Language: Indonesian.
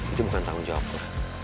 itu bukan tanggung jawab lah